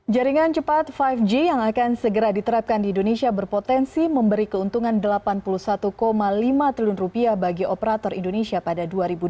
jaringan cepat lima g yang akan segera diterapkan di indonesia berpotensi memberi keuntungan rp delapan puluh satu lima triliun bagi operator indonesia pada dua ribu dua puluh